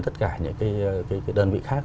tất cả những cái đơn vị khác